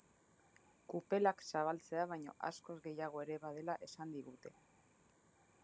Kupelak zabaltzea baino askoz gehiago ere badela esan digute.